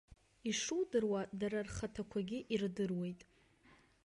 Ишудыруа дара рхаҭақәагьы ирдыруеит.